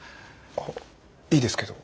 あいいですけど。